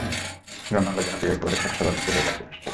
গ্রামবাংলার জনপ্রিয় এই খাবারের স্বাদ সবার মুখেই লেগে আছে নিশ্চয়ই!